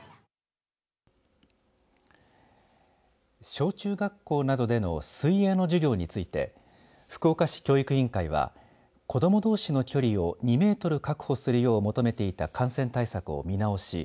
小中学校などでの水泳の授業について福岡市教育委員会は子どもどうしの距離を２メートル確保するよう求めていた感染対策を見直し